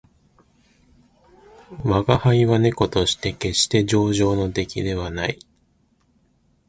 吾輩は猫として決して上乗の出来ではない